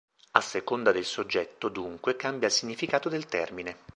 A seconda del soggetto, dunque, cambia il significato del termine.